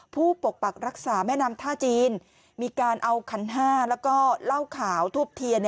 ปกปักรักษาแม่น้ำท่าจีนมีการเอาขันห้าแล้วก็เหล้าขาวทูบเทียน